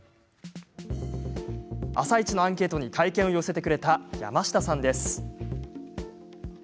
「あさイチ」のアンケートに体験を寄せてくれた山下さんです。